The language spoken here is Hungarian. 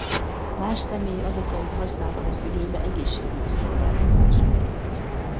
Más személyi adatait használva vesz igénybe egészségügyi szolgáltatást.